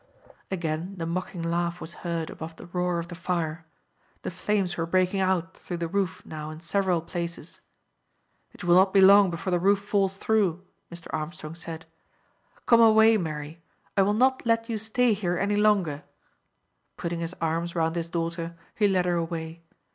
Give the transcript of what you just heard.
Again the mocking laugh was heard above the roar of the fire. The flames were breaking out through the roof now in several places. "It will not be long before the roof falls through," Mr. Armstrong said. "Come away, Mary. I will not let you stay here any longer." Putting his arms round his daughter, he led her away.